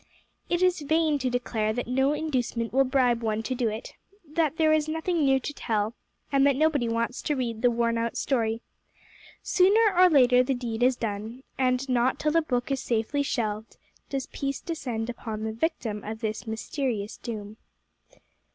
It is vain to declare that no inducement will bribe one to do it, that there is nothing new to tell, and that nobody wants to read the worn out story: sooner or later the deed is done, and not till the book is safely shelved does peace descend upon the victim of this mysterious doom.